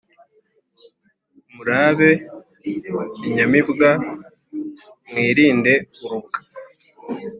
Murabe inyamibwa mwirinde urubwa